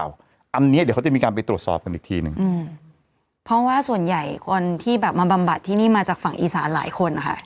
อันนี้เดี๋ยวเขาจะมีการไปตรวจสอบกันอีกทีหนึ่งอืมเพราะว่าส่วนใหญ่คนที่แบบมาบำบัดที่นี่มาจากฝั่งอีสานหลายคนนะคะ